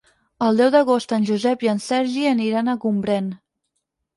El deu d'agost en Josep i en Sergi aniran a Gombrèn.